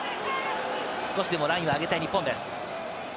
少しでもラインを上げたい日本です。